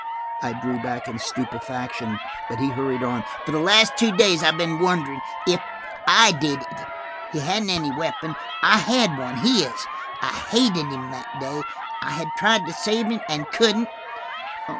I drew back in stupefaction, but he hurried on. "For the last two days I've been wondering–if I did it! He hadn't any weapon; I had one, his. I hated him that day; I had tried to save him, and couldn't.